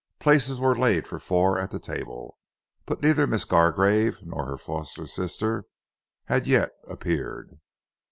Places were laid for four at the table, but neither Miss Gargrave nor her foster sister had yet appeared.